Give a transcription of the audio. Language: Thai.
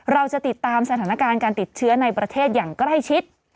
เราจะติดตามสถานการณ์การติดเชื้อในประเทศอย่างใกล้ชิด